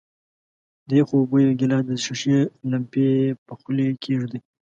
د یخو اوبو یو ګیلاس د ښيښې لمپې په خولې کیږدئ.